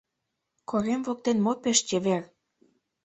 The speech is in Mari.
Корем воктен мо пеш чевер?